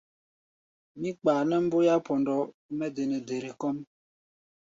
Mí kpaa nɛ́ bɔ̧́í̧á̧ pondo mɛ́ de nɛ dere kɔ́ʼm.